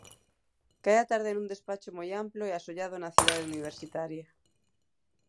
Cae a tarde nun despacho moi amplo e asollado na Cidade Universitaria.